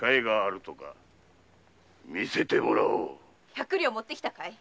百両持ってきたかい。